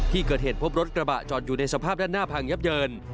ที่เกิดเหตุพบรถกระบะจอดอยู่ในสภาพด้านหน้าพังยับเยิน